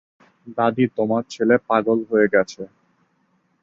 দাদী, তোমার ছেলে পাগল হয়ে গেছে।